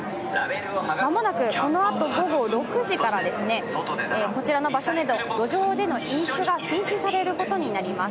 間もなくこのあと午後６時からこちらの場所など、路上での飲酒が禁止されることになります。